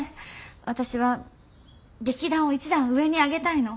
私は劇団を一段上に上げたいの。